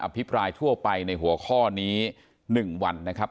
ภิปรายทั่วไปในหัวข้อนี้๑วันนะครับ